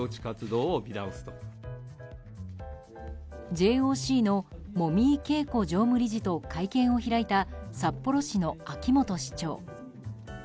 ＪＯＣの籾井圭子常任理事と会見を開いた札幌市の秋元市長。